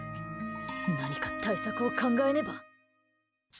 何か、対策を考えねば。